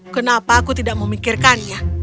kenapa aku tidak memikirkannya